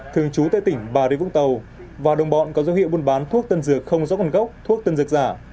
thường trú tại tỉnh bà điên vũng tàu và đồng bọn có dấu hiệu buôn bán thuốc tân dược không do con gốc thuốc tân dược giả